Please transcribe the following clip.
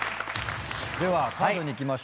ではカードにいきましょうかね。